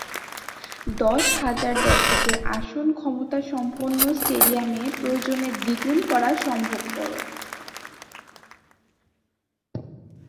দশ হাজার দর্শকের আসন ক্ষমতাসম্পন্ন স্টেডিয়ামে প্রয়োজনে দ্বিগুণ করা সম্ভবপর।